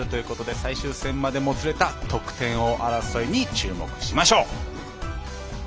最終戦までもつれた得点王争いに注目しましょう。